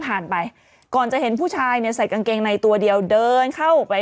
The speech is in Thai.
ผ่านไปก่อนจะเห็นผู้ชายเนี่ยใส่กางเกงในตัวเดียวเดินเข้าไป